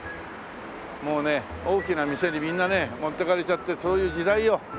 もうね大きな店にみんなね持っていかれちゃってそういう時代よ。